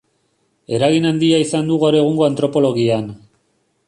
Eragin handia izan du gaur egungo antropologian.